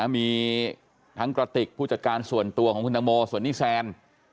มีทั้งกระติกผู้จัดการส่วนตัวของคุณตังโมส่วนนี้แซน